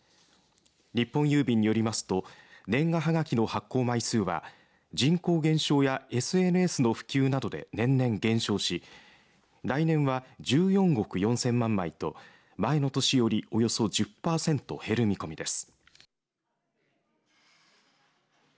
日本郵便によりますと年賀はがきの発行枚数は人口減少やＳＮＳの普及などで年々減少し来年は１４億４０００万枚と前の年よりおよそ１０パーセント減る見込みです。